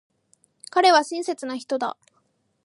彼は親切な人だ。